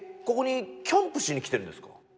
ここにキャンプしに来てるんですか？